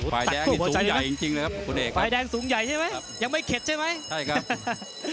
ฝ่ายแดงนี่สูงใหญ่จริงเลยครับคุณเอกฝ่ายแดงสูงใหญ่ใช่ไหมยังไม่เข็ดใช่ไหมใช่ครับ